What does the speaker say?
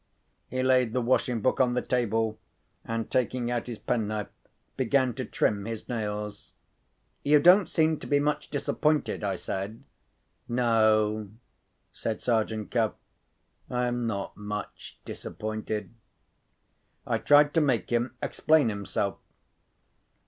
He laid the washing book on the table, and taking out his penknife, began to trim his nails. "You don't seem to be much disappointed," I said. "No," said Sergeant Cuff; "I am not much disappointed." I tried to make him explain himself.